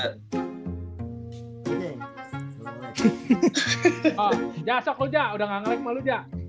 oh ja sok lu ja udah ga ngelag sama lu ja